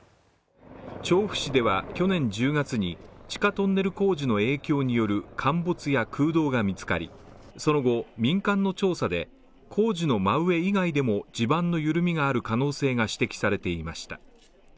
調布市では去年１０月に地下トンネル工事の影響による陥没や空洞が見つかり、その後、民間の調査で、工事の真上以外でも地盤の緩みがある可能性が指摘されていました